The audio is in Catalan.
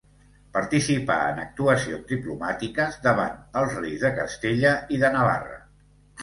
Participà en actuacions diplomàtiques davant els reis de Castella i de Navarra.